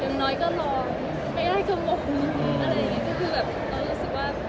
อย่างน้อยก็ลองไม่ได้กำมือ